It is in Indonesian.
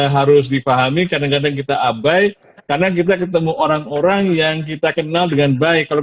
harus difahami kadang kadang kita abai karena kita ketemu orang orang yang kita kenal dengan baik kalau